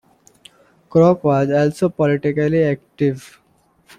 Kroc was also politically active.